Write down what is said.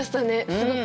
すごく。